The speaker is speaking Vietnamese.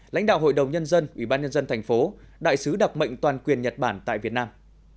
lãnh đạo hội đồng nhân dân ủy ban nhân dân thành phố đại sứ đặc mệnh toàn quyền nhật bản tại việt nam